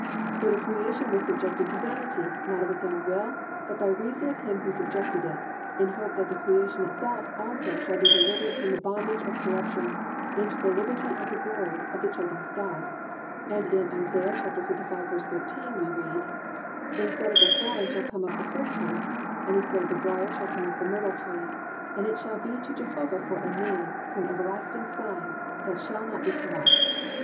For the creation was subjected to vanity, not of its own will, but by reason of him who subjected it, in hope that the creation itself also shall be delivered from the bondage of corruption into the liberty of the glory of the children of God."+ And in Isa. 55:13 we read: +"Instead of the thorn shall come up the fir tree; and instead of the brier shall come up the myrtle tree: and it shall be to Jehovah for a name, for an everlasting sign that shall not be cut off."